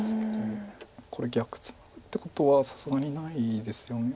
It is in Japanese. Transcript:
これ逆ツナぐってことはさすがにないですよね。